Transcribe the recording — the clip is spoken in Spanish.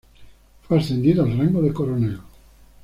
Fue ascendido al rango de coronel.